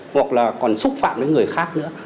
hoặc là còn xúc phạm đến người khác nữa